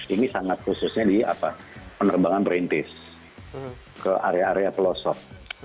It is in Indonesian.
ini sangat khususnya di penerbangan perintis ke area area pelosok